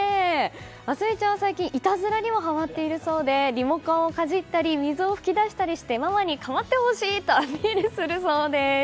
明澄ちゃんは最近、いたずらにもはまっているそうでリモコンをかじったり水を噴き出したりしてママにかまってほしいとアピールするそうです。